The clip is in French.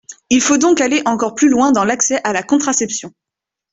Il faut donc aller encore plus loin dans l’accès à la contraception.